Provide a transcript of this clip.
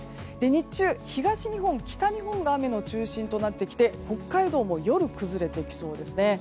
日中は東日本、北日本が雨の中心となってきて北海道も夜、崩れてきそうですね。